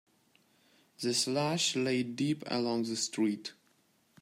The slush lay deep along the street.